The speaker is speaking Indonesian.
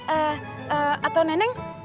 eh eh atau neneng